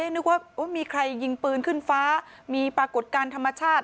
นึกว่ามีใครยิงปืนขึ้นฟ้ามีปรากฏการณ์ธรรมชาติ